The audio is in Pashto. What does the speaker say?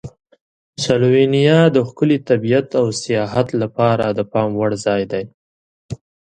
سلووینیا د ښکلي طبیعت او سیاحت لپاره د پام وړ ځای دی.